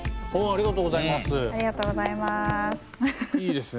ありがとうございます。